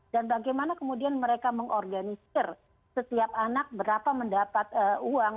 dan bagaimana kemudian mereka mengorganisir setiap anak berapa mendapat uang